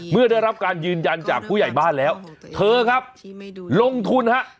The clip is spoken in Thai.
เมื่อได้รับการยืนยันจากผู้ใหญ่บ้านแล้วเธอครับลงทุนฮะ